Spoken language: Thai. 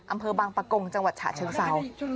อำเภอบางปะกงจังหวัดฉะเชิงเศร้า